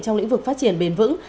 trong lĩnh vực phát triển bền vững